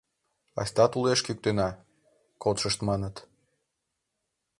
— Айста тулеш кӱктена, — кодшышт маныт.